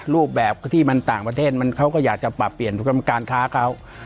รูปแบบที่มันต่างประเทศเขาก็อยากจะปรับเปลี่ยนกรรมการค้าเขา